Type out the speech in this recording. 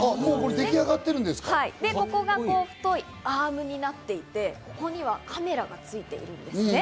ここがアームになっていて、ここにはカメラがついてるんですね。